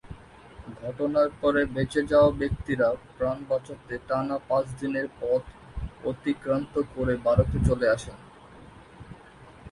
ঘটনার পর বেঁচে যাওয়া ব্যক্তিরা প্রাণ বাঁচাতে টানা পাঁচ দিনের পথ অতিক্রান্ত করে ভারতে চলে আসেন।